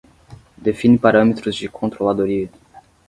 Define parâmetros de controladoria